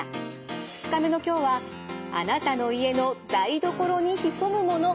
２日目の今日はあなたの家の台所に潜むもの。